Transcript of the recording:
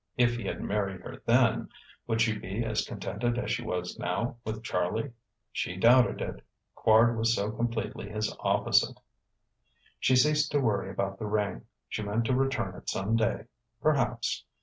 If he had married her then, would she be as contented as she was now, with Charlie? She doubted it; Quard was so completely his opposite.... She ceased to worry about the ring. She meant to return it some day, perhaps.